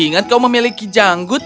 aku tidak ingat kau memiliki canggut